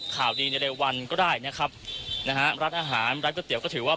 ข่าวดีในอะไรวันก็ได้นะครับนะฮะรัฐอาหารรัฐก๋วยเตี๋ยวก็ถือว่า